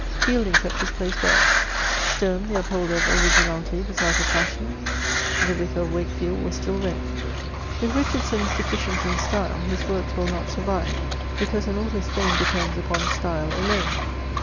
Fielding kept his place well ; Sterne, the upholder of orig^inahty, was out of fasmon ; the Vkar of Wakefield was still read. If Richardson is deficient in style, his works will not survive, because an author's fame depends upon style alone.